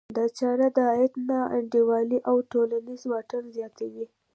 دا چاره د عاید نا انډولي او ټولنیز واټن زیاتوي.